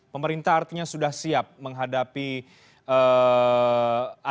pemerintah artinya sudah siap menghadapi ancaman